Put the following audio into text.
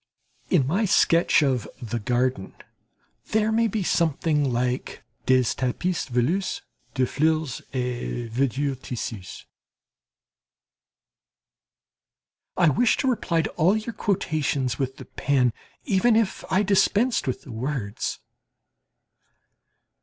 In my sketch of "The Garden," there may be something like Des tapis velus de fleurs et verdure tissus. I wished to reply to all your quotations with the pen, even if I dispensed with words.